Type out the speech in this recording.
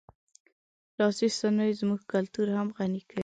لاسي صنایع زموږ کلتور هم غني کوي.